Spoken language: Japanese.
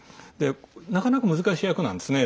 なかなか難しい役なんですね。